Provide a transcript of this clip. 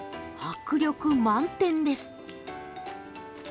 迫力満点です！